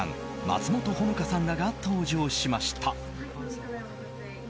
松本穂香さんらが登場しました。